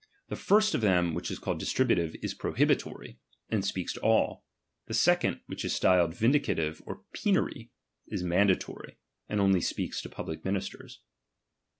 The first of them, which is called distrihuthe, is prohibltori/, and speaks to all ; the second, which is styled vindicative or penary, is mandatory, and only speaks to public ministers.